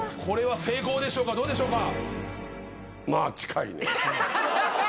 成功でしょうかどうでしょうか？